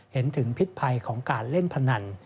เห็นถึงพิษภัยของการเล่นพนัน